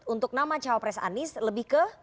untuk nama cawapres anies lebih ke